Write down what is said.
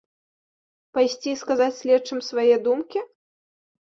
Пайсці і сказаць следчым свае думкі?